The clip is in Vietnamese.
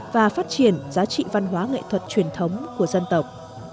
và phát triển giá trị văn hóa nghệ thuật truyền thống của dân tộc